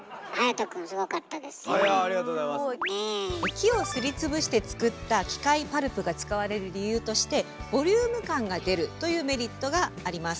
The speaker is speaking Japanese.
木をすりつぶして作った「機械パルプ」が使われる理由としてボリューム感が出るというメリットがあります。